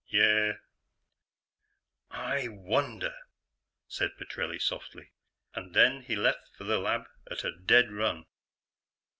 "Yeah." "I wonder " said Petrelli softly. And then he left for the lab at a dead run.